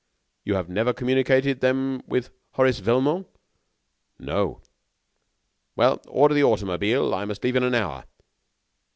"You had never communicated then to Horace Velmont?" "No." "Well, order the automobile. I must leave in an hour."